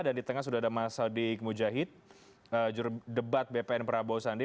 dan di tengah sudah ada mas adik mujahid jurudebat bpn prabowo sandi